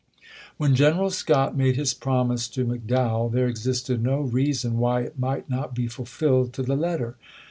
THE ADVANCE 325 When General Scott made his promise to Mc Dowell, there existed no reason why it might not be fulfilled to the letter.